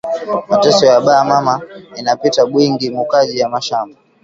Mateso ya ba mama ina pita bwingi mu kaji ya mashamba